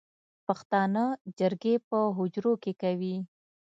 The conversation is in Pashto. پښتانه جرګې په حجرو کې کوي